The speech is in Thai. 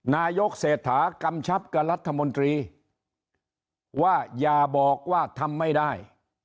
นายกเศรษฐากำชับกับรัฐมนตรีว่าอย่าบอกว่าทำไม่ได้